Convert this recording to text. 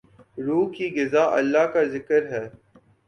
روح کی غذا اللہ کا ذکر ہے۔